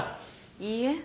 いいえ。